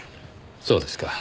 そうですか。